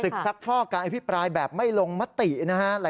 ซักฟอกการอภิปรายแบบไม่ลงมตินะฮะ